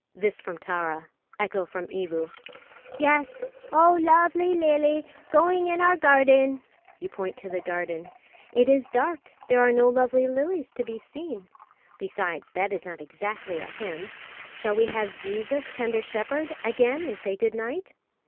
'" This from Tara. Echo from Evu: "Yes; 'Oh, luvvly lily g'oing in our garden!'" You point out to the garden: "It is dark, there are no lovely lilies to be seen; besides, that is not exactly a hymn; shall we have 'Jesus, tender Shepherd,' again, and say good night?"